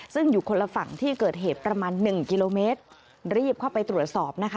ซึ่งอยู่คนละฝั่งที่เกิดเหตุประมาณหนึ่งกิโลเมตรรีบเข้าไปตรวจสอบนะคะ